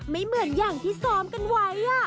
ไม่เหมือนอย่างที่ซ้อมกันไว้